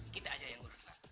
kita aja yang ngurus pak